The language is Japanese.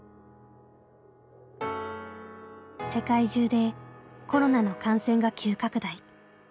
世界中でコロナの感染が急拡大。